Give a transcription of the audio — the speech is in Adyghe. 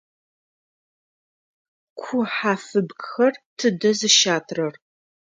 Ку хьафыбгхэр тыдэ зыщатрэр?